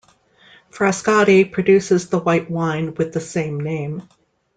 Frascati produces the white wine with the same name.